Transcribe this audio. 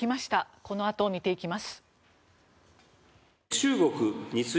このあと見ていきます。